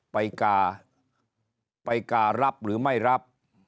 ไปการับหรือไม่รับ